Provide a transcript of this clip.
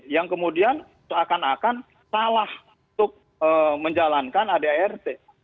yang kemudian seakan akan salah untuk menjalankan adrt